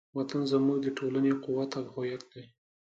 وطن زموږ د ټولنې قوت او هویت دی.